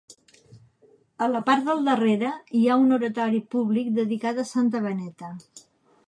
A la part del darrere hi ha un oratori públic dedicat a Santa Beneta.